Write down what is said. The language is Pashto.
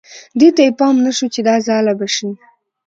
دې ته یې پام نه شو چې دا ځاله به شي.